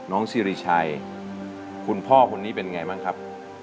ซีริชัยคุณพ่อคนนี้เป็นไงบ้างครับ